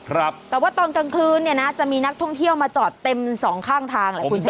ครับแต่ว่าตอนกลางคืนเนี่ยนะจะมีนักท่องเที่ยวมาจอดเต็มสองข้างทางแหละคุณชนะ